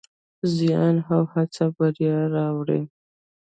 زیار او هڅه بریا راوړي.